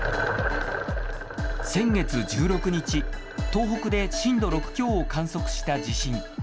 先月１６日、東北で震度６強を観測した地震。